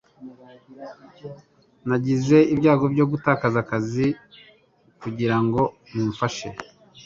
Nagize ibyago byo gutakaza akazi kugirango mumfashe